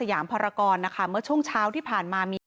ฮ่าฮ่าฮ่าฮ่าฮ่า